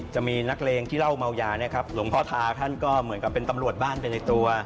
จะมีนักเลงที่เล่าเมายาเนี่ยครับหลวงพ่อทาท่านก็เหมือนกับเป็นตำรวจบ้านไปในตัว